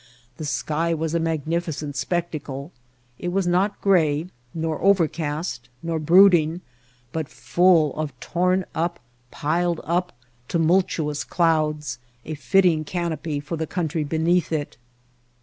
The sky was a magnificent spectacle. It was not gray, nor overcast, nor brooding, but full of torn up, piled up, tumultuous clouds, a fitting canopy for the country beneath it.